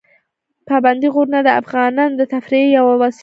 پابندی غرونه د افغانانو د تفریح یوه وسیله ده.